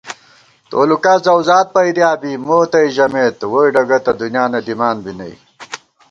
تولُکا زؤزاد پَیدِیا بی مو تئ ژَمېت ووئی ڈگہ تہ دُنیانہ دِمان بی نئ